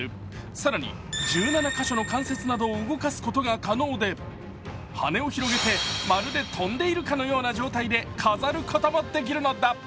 更に１７カ所の関節などを動かすことが可能で、羽を広げて、まるで飛んでいるかのような状態で飾ることもできるのだ。